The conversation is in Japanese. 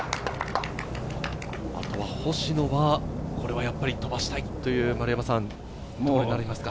あとは星野は、これはやっぱり飛ばしたいということになりますか。